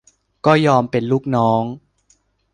ก็ยอมเป็นลูกน้อง